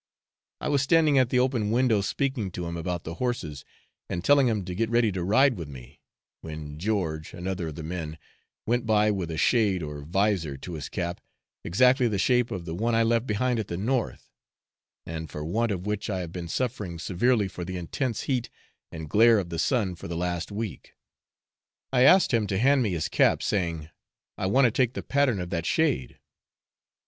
I was standing at the open window speaking to him about the horses, and telling him to get ready to ride with me, when George, another of the men, went by with a shade or visor to his cap exactly the shape of the one I left behind at the north, and for want of which I have been suffering severely from the intense heat and glare of the sun for the last week. I asked him to hand me his cap, saying, 'I want to take the pattern of that shade.'